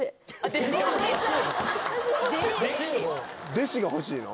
弟子欲しいの？